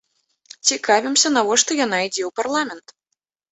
Цікавімся, навошта яна ідзе ў парламент.